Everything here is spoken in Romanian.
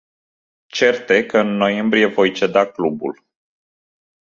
Cert e că în noiembrie voi ceda clubul.